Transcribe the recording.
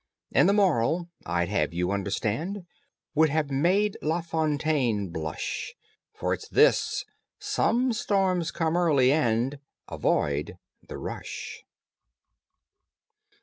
And THE MORAL, I'd have you understand, Would have made La Fontaine blush, For it's this: Some storms come early, and Avoid the rush!